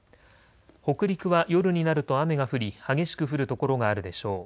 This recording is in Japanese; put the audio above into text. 北陸は夜になると雨が降り激しく降る所があるでしょう。